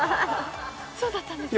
そうだったんですね